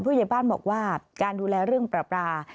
ผู้ใหญ่บ้านบอกว่าการดูแลเรื่องประปา